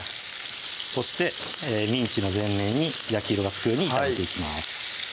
そしてミンチの全面に焼き色がつくように炒めていきます